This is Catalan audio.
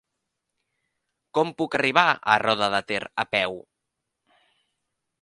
Com puc arribar a Roda de Ter a peu?